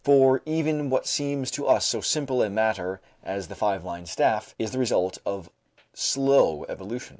For even what seems to us so simple a matter as the five line staff is the result of slow evolution.